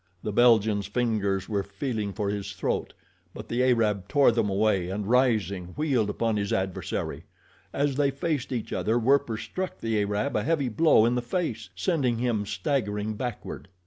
The Belgian's fingers were feeling for his throat, but the Arab tore them away, and rising wheeled upon his adversary. As they faced each other Werper struck the Arab a heavy blow in the face, sending him staggering backward.